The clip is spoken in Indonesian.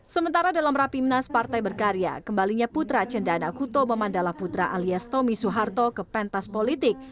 sementara dalam rapi menas partai bergarya kembalinya putra cendana kuto memandala putra alias tommy suharto ke pentas politik